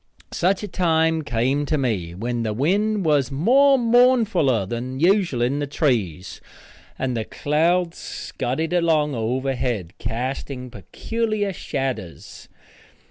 Such a time come to me, when the wind was more mournfuller than usual in the trees, and the clouds scudded along overhead, casting peculiar shadders.